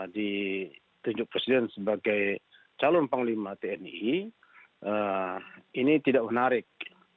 ditunjuk presiden sebagai calon panglima tni ini tidak menarik